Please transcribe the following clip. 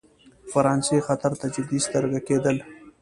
فرانسې خطر ته جدي سترګه کېدل.